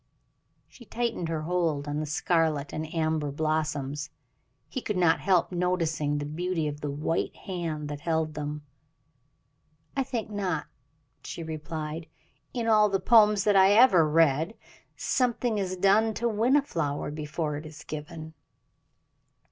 She tightened her hold on the scarlet and amber blossoms. He could not help noticing the beauty of the white hand that held them. "I think not," she replied. "In all the poems that I ever read something is done to win a flower before it is given."